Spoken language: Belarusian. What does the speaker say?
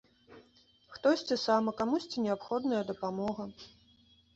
Хтосьці сам, а камусьці неабходная дапамога.